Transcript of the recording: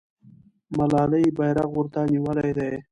ملالۍ بیرغ ورته نیولی دی.